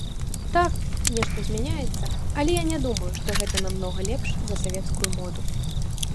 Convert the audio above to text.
Так, нешта змяняецца, але я не думаю, што гэта намнога лепш за савецкую моду.